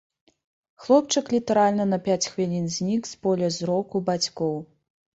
Хлопчык літаральна на пяць хвілін знік з поля зроку бацькоў.